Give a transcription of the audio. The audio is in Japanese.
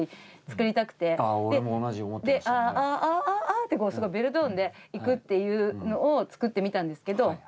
「あ」ってこうすごいベルトーンでいくっていうのを作ってみたんですけど。